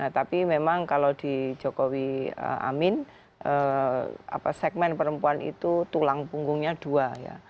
tapi memang kalau di jokowi amin segmen perempuan itu tulang punggungnya dua ya